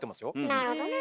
なるほどね。